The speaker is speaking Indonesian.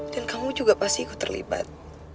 dan kamu juga pasti ikut terlibat